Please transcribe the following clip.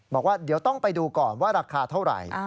บอกว่าเดี๋ยวต้องไปดูก่อนว่าราคาเท่าไหร่